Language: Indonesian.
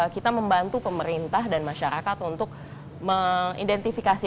kita membantu pemerintah dan masyarakat untuk mengidentifikasi